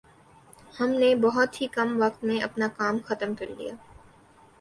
ھم نے بہت ہی کم وقت میں اپنا کام ختم کرلیا